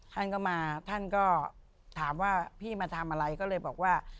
ท่านก็มาท่านก็ถามว่าพี่มาทำอะไรก็เลยบอกว่า